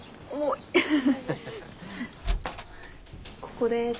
ここです。